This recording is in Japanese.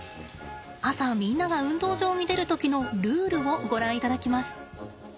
朝みんなが運動場に出る時のルールをご覧いただきます。